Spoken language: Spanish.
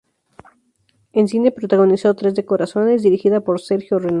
En cine protagonizó "Tres de corazones" dirigida por Sergio Renán.